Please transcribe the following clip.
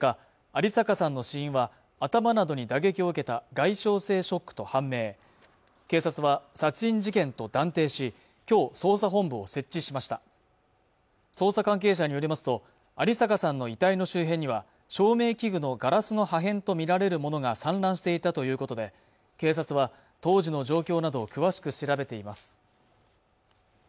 有坂さんの死因は頭などに打撃を受けた外傷性ショックと判明警察は殺人事件と断定しきょう捜査本部を設置しました捜査関係者によりますと有坂さんの遺体の周辺には照明器具のガラスの破片と見られるものが散乱していたということで警察は当時の状況などを詳しく調べています